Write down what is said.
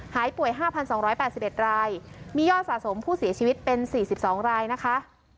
หายป่วยห้าพันสองร้อยแปดสิบเอ็ดรายมียอดสะสมผู้เสียชีวิตเป็นสี่สิบสองรายนะคะ